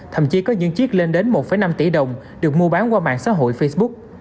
thậm chí có những chiếc lên đến một năm tỷ đồng được mua bán qua mạng xã hội facebook